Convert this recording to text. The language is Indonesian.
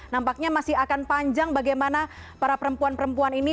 nampaknya masih akan panjang bagaimana para perempuan perempuan ini